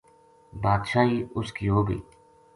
بادشاہی ا س کی ہو گئی